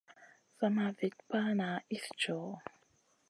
Sama Vit pana iss djoho.